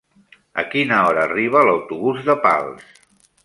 A quina hora arriba l'autobús de Pals?